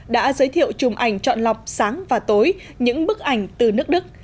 đã giới thiệu chùm ảnh chọn lọc sáng và tối những bức ảnh từ nước đức